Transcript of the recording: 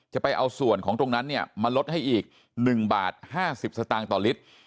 ไปเอาส่วนของตรงนั้นเนี่ยมาลดให้อีก๑บาท๕๐สตางค์ต่อลิตร